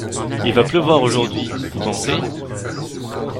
Il va pleuvoir aujourd’hui, vous pensez ?